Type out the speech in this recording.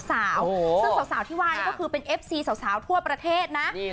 ซึ่งสาวที่ว่านี่ก็คือเป็นเอฟซีสาวทั่วประเทศนะ